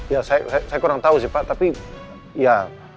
ya saya kurang tahu sih pak tapi ya